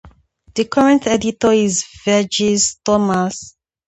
The current editor is Varghese Thomas.